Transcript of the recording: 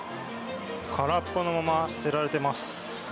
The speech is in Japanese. からっぽのまま捨てられています。